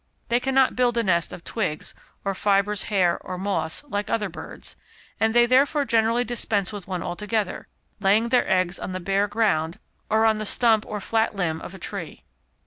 They cannot build a nest of twigs or fibres, hair or moss, like other birds, and they therefore generally dispense with one altogether, laying their eggs on the bare ground, or on the stump or flat limb of a tree.